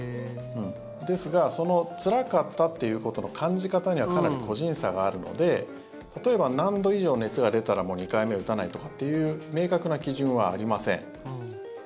ですが、つらかったということの感じ方には個人差があるので例えば、何度以上熱が出たら２回目打たないとかっていう明確な基準はありません。